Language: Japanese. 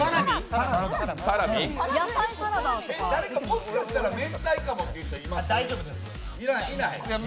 誰かもしかしたらめんたいかもっていう人います？